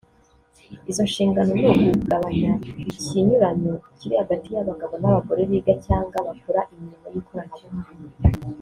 Izo nshingano ni ukugabanya ikinyuranyo kiri hagati y’abagabo n’abagore biga cyangwa bakora imirimo y’ikoranabuhanga